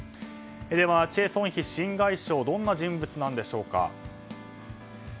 では、チェ・ソンヒ新外相どんな人物なんでしょうか。